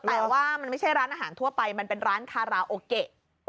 แต่ว่ามันไม่ใช่ร้านอาหารทั่วไปมันเป็นร้านคาราโอเกะ